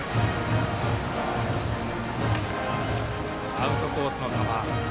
アウトコースの球。